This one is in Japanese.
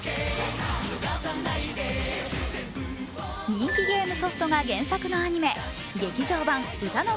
人気ゲームソフトが原作のアニメ、「劇場版うたの☆